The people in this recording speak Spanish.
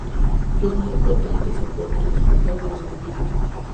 Los muros portantes soportan los forjados de los edificios.